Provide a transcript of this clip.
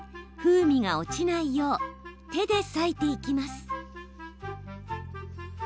風味が落ちないよう手で裂いていきます。